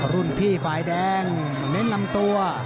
รุ่นพี่ฝ่ายแดงเน้นลำตัว